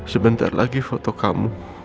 sebentar lagi foto kamu